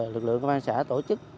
lực lượng công an xã tổ chức